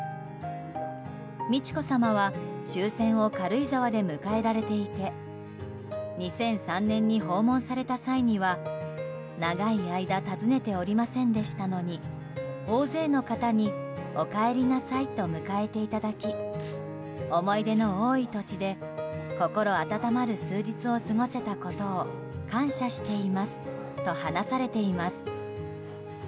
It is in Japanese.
美智子さまは終戦を軽井沢で迎えられていて２００３年に訪問された際には長い間訪ねておりませんでしたのに大勢の方にお帰りなさいと迎えていただき思い出の多い土地で心温まる数日を過ごせたことを感謝していますと話されています。